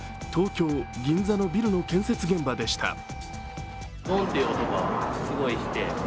東京・銀座のビルの建設現場でした。